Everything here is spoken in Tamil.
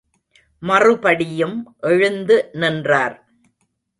மறுபடியும் எழுந்து நின்றார்.